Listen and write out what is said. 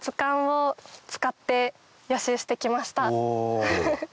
お。